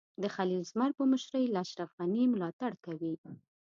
د خلیل زمر په مشرۍ له اشرف غني ملاتړ کوي.